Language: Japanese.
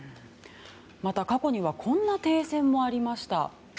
また過去にはこんな停戦もありました。